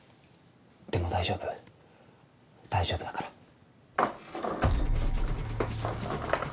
でも大丈夫大丈夫だから。